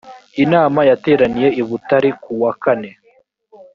inama yateraniye i butare kuwa kane